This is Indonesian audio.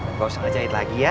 nggak usah jahit lagi ya